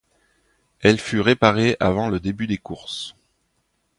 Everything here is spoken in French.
Elle fut réparée avant le début des courses.